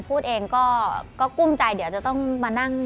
พูดเองก็กุ้มใจเดี๋ยวจะต้องมานั่ง